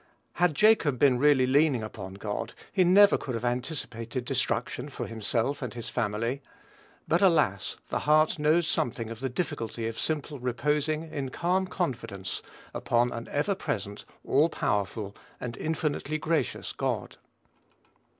Had Jacob been really leaning upon God, he never could have anticipated destruction for himself and his family; but alas! the heart knows something of the difficulty of simply reposing, in calm confidence, upon an ever present, all powerful, and infinitely gracious God.